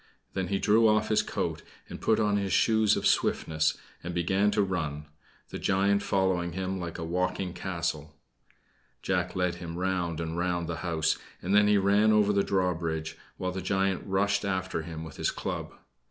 Then he threw off his coat and put on his shoes of swiftness, and began to run, the giant following him like a walking castle. Jack led him round and round the house, and then he ran over the drawbridge, while the giant rushed after him with his club.